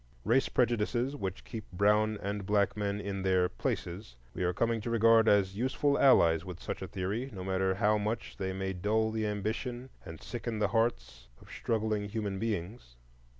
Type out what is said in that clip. Race prejudices, which keep brown and black men in their "places," we are coming to regard as useful allies with such a theory, no matter how much they may dull the ambition and sicken the hearts of struggling human beings.